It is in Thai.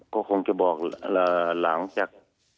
ก็คงจะบอกหลังจาก